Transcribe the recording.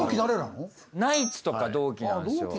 ナイツとか同期なんですよ。